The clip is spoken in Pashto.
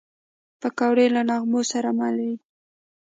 پکورې له نغمو سره مل وي